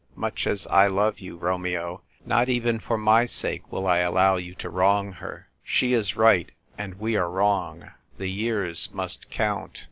"Much as I love you, Romeo, not even for my sake will I allow you to wrong her. She is right and we are wrong ; the years must count.